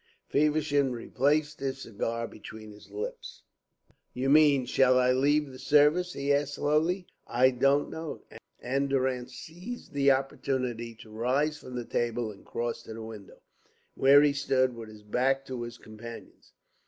Feversham replaced his cigar between his lips. "You mean, shall I leave the service?" he asked slowly. "I don't know;" and Durrance seized the opportunity to rise from the table and cross to the window, where he stood with his back to his companions.